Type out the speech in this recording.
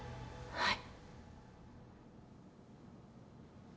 はい。